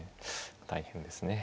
大変ですね。